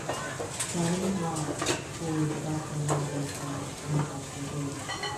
Charan Raj scored the background music and soundtrack for the film.